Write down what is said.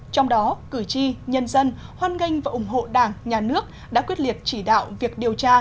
trong đó cử tri nhân dân hoan nghênh và ủng hộ đảng nhà nước đã quyết liệt chỉ đạo việc điều tra